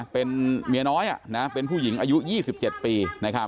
เป็นเมียน้อยเป็นผู้หญิงอายุ๒๗ปี